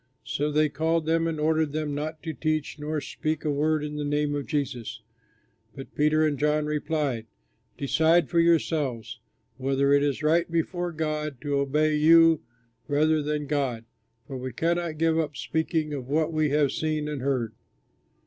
So they called them and ordered them not to teach nor speak a word in the name of Jesus. But Peter and John replied, "Decide for yourselves whether it is right before God to obey you rather than God; for we cannot give up speaking of what we have seen and heard."